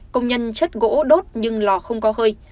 công nhân chất gỗ đốt nhưng lò không có hơi